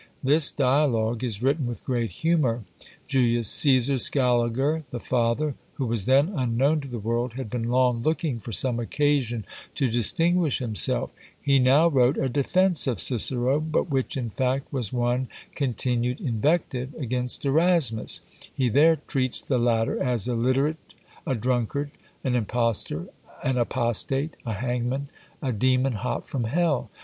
This dialogue is written with great humour. Julius Cæsar Scaliger, the father, who was then unknown to the world, had been long looking for some occasion to distinguish himself; he now wrote a defence of Cicero, but which in fact was one continued invective against Erasmus: he there treats the latter as illiterate, a drunkard, an impostor, an apostate, a hangman, a demon hot from hell!